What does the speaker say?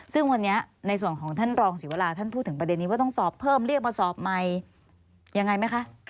ซึ่งวันนี้ในส่วนของท่านรองศิวราท่านพูดถึงประเด็นนี้ว่าต้องสอบเพิ่มเรียกมาสอบใหม่ยังไงไหมคะ